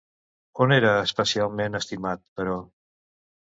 On era especialment estimat, però?